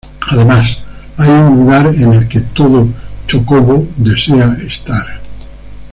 Además, hay un lugar en el que todo chocobo desea estar.